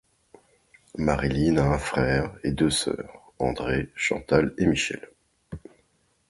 Marie-Line a un frère et deux sœurs: André, Chantale et Michelle.